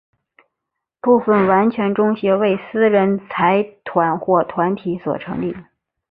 部分完全中学为私人财团或团体所成立。